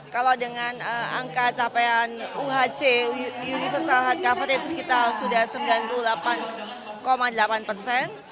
kalau dengan angka capaian uhc universal health coverage kita sudah sembilan puluh delapan delapan persen